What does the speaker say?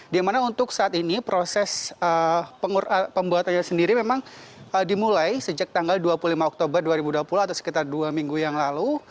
dimana untuk saat ini proses pembuatannya sendiri memang dimulai sejak tanggal dua puluh lima oktober dua ribu dua puluh atau sekitar dua minggu yang lalu